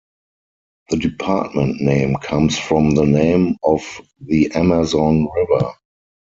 The department name comes from the name of the Amazon River.